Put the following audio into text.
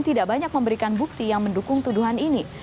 tidak banyak memberikan bukti yang mendukung tuduhan ini